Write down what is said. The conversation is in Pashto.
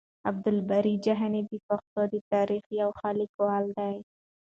عبدالباري جهاني د پښتنو د تاريخ يو ښه ليکوال دی.